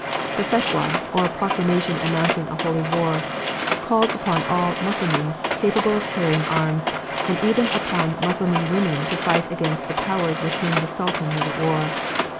The Fetwa, or proclamation announcing a holy war, called upon all Mussulmans capable of carrying arms, and even upon Mussulman women to fight against the powers with whom the Sultan was at war.